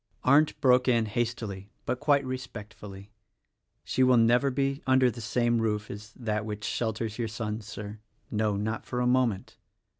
Arndt broke in hastily but quite respectfully, "She will never be under the same roof as that which shelters your son, Sir — no: not for a moment.